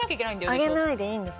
あげないでいいんです。